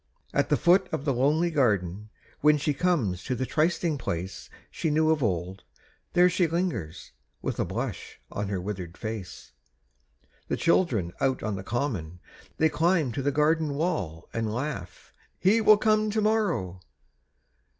At the foot of the lonely garden, When she comes to the trysting place She knew of old, there she lingers, With a blush on her withered face. The children out on the common: They climb to the garden wall; And laugh: "He will come to morrow!"